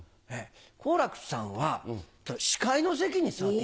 好楽さんは司会の席に座って。